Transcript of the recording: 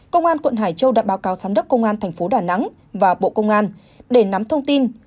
công an quận hải châu đã báo cáo giám đốc công an thành phố đà nẵng và bộ công an để nắm thông tin